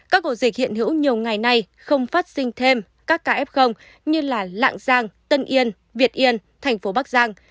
các ổ dịch hiện hữu nhiều ngày nay không phát sinh thêm các ca f như lạng giang tân yên việt yên thành phố bắc giang